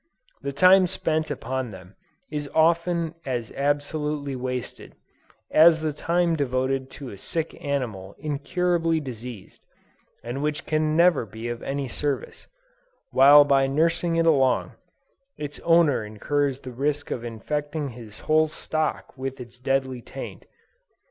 The time spent upon them is often as absolutely wasted, as the time devoted to a sick animal incurably diseased, and which can never be of any service, while by nursing it along, its owner incurs the risk of infecting his whole stock with its deadly taint.